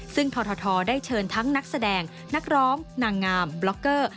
ซึ่งททได้เชิญทั้งนักแสดงนักร้องนางงามบล็อกเกอร์